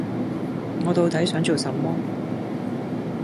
我到底想要什麼